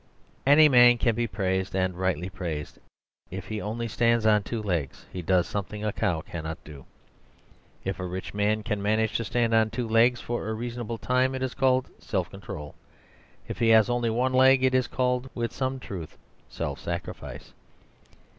Any man can be praised and rightly praised. If he only stands on two legs he does something a cow cannot do. If a rich man can manage to stand on two legs for a reasonable time, it is called self control. If he has only one leg, it is called (with some truth) self sacrifice.